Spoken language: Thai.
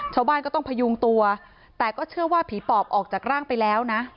ชาวบ้านก็ต้องพยุงตัวแต่ก็เชื่อว่าผีปอบออกจากร่างไปแล้วนะ